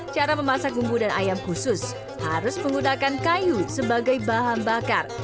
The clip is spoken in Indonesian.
cara memasak bumbu dan ayam khusus harus menggunakan kayu sebagai bahan bakar